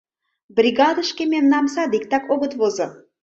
— Бригадышке мемнам садиктак огыт возо.